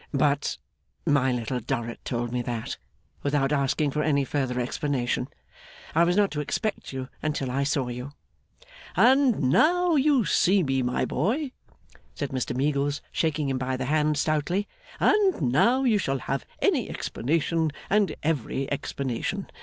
' But my Little Dorrit told me that, without asking for any further explanation, I was not to expect you until I saw you.' 'And now you see me, my boy,' said Mr Meagles, shaking him by the hand stoutly; 'and now you shall have any explanation and every explanation.